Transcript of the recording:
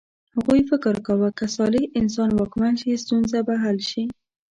هغوی فکر کاوه که صالح انسان واکمن شي ستونزه به حل شي.